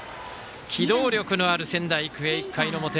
機動力のある仙台育英、１回の表。